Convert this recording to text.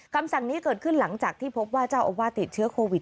คำสั่งนี้เกิดขึ้นหลังจากที่พบว่าเจ้าอาวาสติดเชื้อโควิด